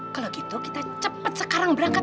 kalau gitu kita cepat sekarang berangkat